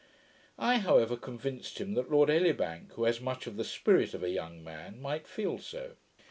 I however convinced him that Lord Elibank, who has much of the spirit of a young man, might feel so.